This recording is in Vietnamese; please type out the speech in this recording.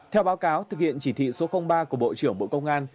theo báo cáo thực hiện chỉ thị số ba của bộ trưởng bộ công an